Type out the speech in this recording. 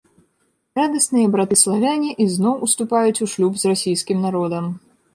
Радасныя браты-славяне ізноў уступаюць у шлюб з расійскім народам.